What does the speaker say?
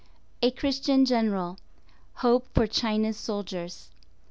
_ *A Christian General* *HOPE FOR CHINA'S SOLDIERS.